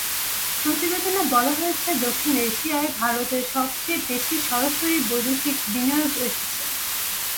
প্রতিবেদনে বলা হয়েছে, দক্ষিণ এশিয়ায় ভারতে সবচেয়ে বেশি সরাসরি বৈদেশিক বিনিয়োগ এসেছে।